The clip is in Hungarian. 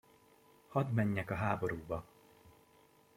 Hadd menjek a háborúba!